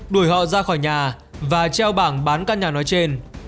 đuổi họ ra khỏi nhà và treo bảng bán căn nhà nói trên